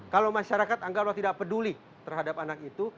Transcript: kalau masyarakat anggaplah tidak peduli terhadap anak itu